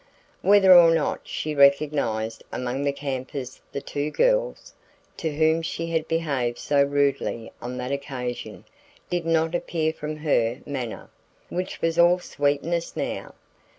Whether or not she recognized among the campers the two girls to whom she had behaved so rudely on that occasion did not appear from her manner, which was all sweetness now.